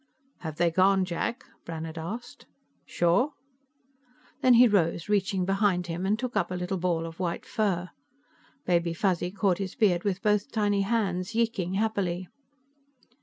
"Have they gone, Jack?" Brannhard asked. "Sure?" Then he rose, reaching behind him, and took up a little ball of white fur. Baby Fuzzy caught his beard with both tiny hands, yeeking happily.